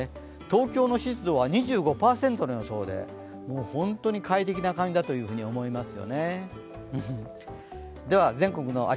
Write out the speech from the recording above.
東京の湿度は２５％の予想で本当に快適な感じだと思います。